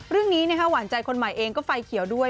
หวานใจคนใหม่เองก็ไฟเขียวด้วย